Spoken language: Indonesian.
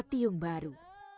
kembali ke kampung baru